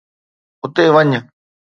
اتي وڃ.